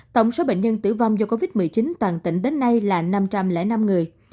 tổng số bệnh nhân tử vong do covid một mươi chín toàn tỉnh đến nay là năm trăm linh năm người